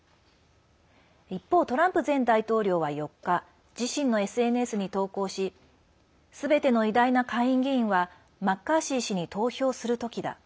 一方、トランプ前大統領は４日自身のＳＮＳに投稿しすべての偉大な下院議員はマッカーシー氏に投票する時だ。